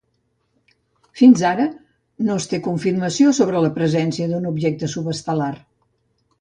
Fins ara no es té confirmació sobre la presència d'un objecte subestelar.